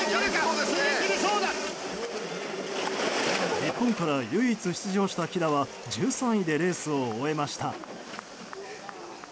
日本から唯一出場した貴田は１３位でレースを終えました。